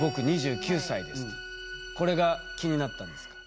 これが気になったんですか？